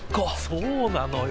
そうなのよ。